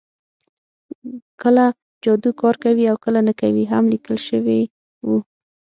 کله جادو کار کوي او کله نه کوي هم لیکل شوي وو